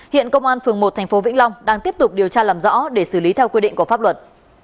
hiện công an phường một tp vĩnh long đang tiếp tục điều tra làm rõ để xử lý theo quy định của pháp luật